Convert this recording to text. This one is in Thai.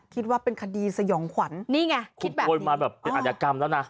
คิดว่าเป็นคดีสยองขวัญนี่ไงคิดแบบนี้คุณโพลมาแบบเป็นอรรยากรรมแล้วนะ